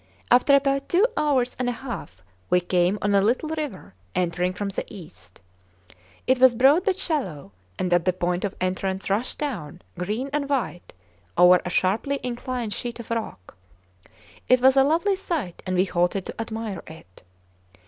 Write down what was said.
After about two hours and a half we came on a little river entering from the east. It was broad but shallow, and at the point of entrance rushed down, green and white, over a sharply inclined sheet of rock. It was a lovely sight and we halted to admire it.